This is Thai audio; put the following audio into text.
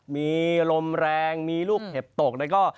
มีลมแรงมีลูกเห็บตกแล้วก็